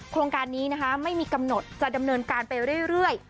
โครงการนี้นะคะไม่มีกำหนดจะดำเนินการไปเรื่อย